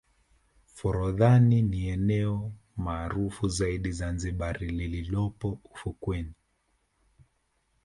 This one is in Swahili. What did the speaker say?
forodhani ni eneo maarufu zaidi zanzibar lililopo ufukweni